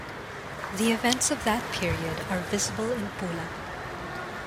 The events of that period are visible in Pula.